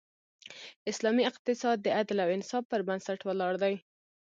اسلامی اقتصاد د عدل او انصاف پر بنسټ ولاړ دی.